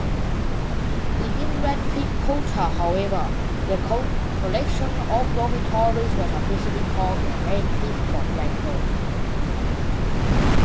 Within Radcliffe culture, however, the collection of dormitories was officially called the "Radcliffe Quadrangle".